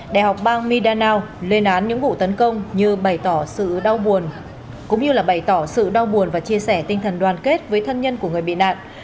đại học bang midanao lên án những vụ tấn công như bày tỏ sự đau buồn và chia sẻ tinh thần đoàn kết với thân nhân của người bị nạn